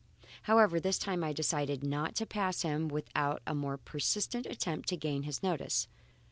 However, this time I decided not to pass him without a more persistent attempt to gain his notice.